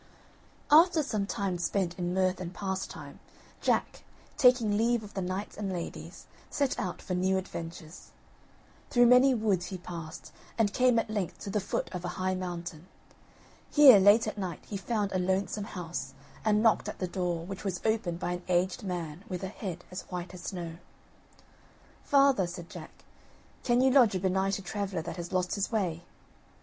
After some time spent in mirth and pastime, Jack, taking leave of the knights and ladies, set out for new adventures. Through many woods he passed, and came at length to the foot of a high mountain. Here, late at night, he found a lonesome house, and knocked at the door, which was opened by an aged man with a head as white as snow. "Father," said Jack, "can you lodge a benighted traveller that has lost his way?"